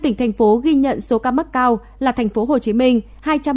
năm tỉnh thành phố ghi nhận số ca mắc cao là tp hcm hai trăm bảy mươi tám bảy trăm linh ba